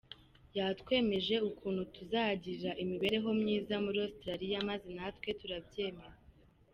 Yatwemeje ukuntu tuzagirira imibereho myiza muri Australiya maze natwe turabyemera”.